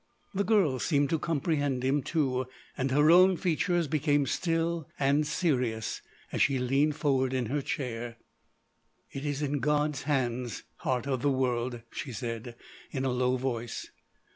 The girl seemed to comprehend him, too, and her own features became still and serious as she leaned forward in her chair. "It is in God's hands, Heart of the World," she said in a low voice.